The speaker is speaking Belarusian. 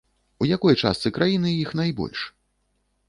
У якой частцы краіны іх найбольш?